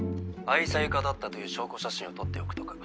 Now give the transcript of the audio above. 愛妻家だったという証拠写真を撮っておくとか。